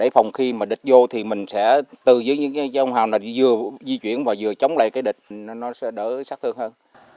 phòng khi mà địch vô thì mình sẽ từ dưới những nhà láng hào này vừa di chuyển và vừa chống lại cái địch nó sẽ đỡ sát thương hơn